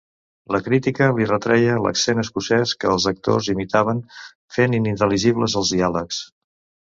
La crítica li retreia l'accent escocès que els actors imitaven, fent inintel·ligibles els diàlegs.